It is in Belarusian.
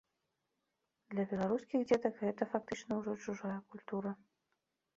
Для беларускіх дзетак гэта фактычна ўжо чужая культура.